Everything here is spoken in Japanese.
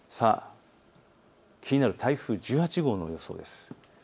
気になる台風１８号の予想です。